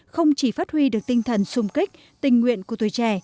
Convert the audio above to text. không chỉ phát huy được tinh thần sung kích tình nguyện của tuổi trẻ